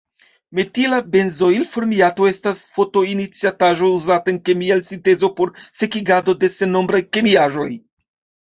Metila benzoilformiato estas fotoiniciataĵo uzata en kemiaj sintezoj por sekigado de sennombraj kemiaĵoj.